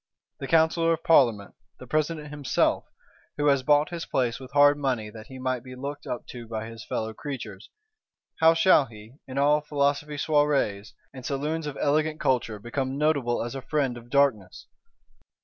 The Counsellor of Parlement, the President himself, who has bought his place with hard money that he might be looked up to by his fellow creatures, how shall he, in all Philosophe soirées, and saloons of elegant culture, become notable as a Friend of Darkness?